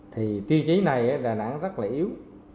thì tiêu chí này đà nẵng rất là yếu